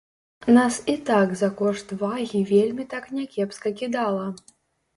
Нас і так за кошт вагі вельмі так някепска кідала.